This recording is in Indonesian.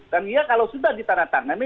dan ya kalau sudah ditandatangani